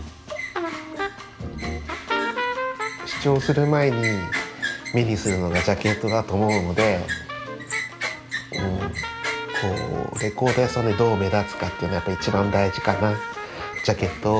試聴する前に目にするのがジャケットだと思うのでレコード屋さんでどう目立つかっていうのやっぱ一番大事かな。